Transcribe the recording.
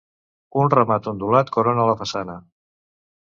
Un remat ondulat corona la façana.